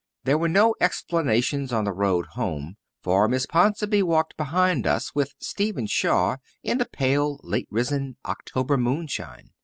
There were no explanations on the road home, for Miss Ponsonby walked behind us with Stephen Shaw in the pale, late risen October moonshine.